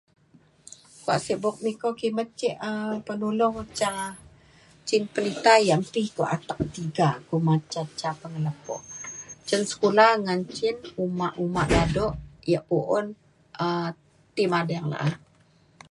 Kuak sek buk miko kimet ce um penulong ca cin perinta yang ti kuak atek tiga kuma ca ca pengelepo cen sekula ngan cin uma dado yak pu’un um ti mading la’a